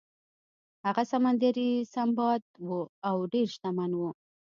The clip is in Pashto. هغه سمندري سنباد و او ډیر شتمن و.